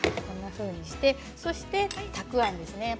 そして、たくあんです。